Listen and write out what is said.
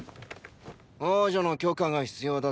王女の許可が必要だぞ。